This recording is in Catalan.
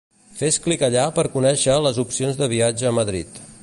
Fes clic allà per conèixer les opcions de viatge a Madrid.